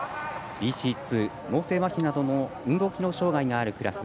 ＢＣ２、脳性まひなどの運動機能障がいがあるクラス。